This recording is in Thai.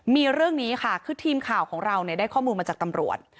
มีเรื่องนี้ค่ะคือทีมข่าวของเราได้ข้อมูลมาจากตำรวจ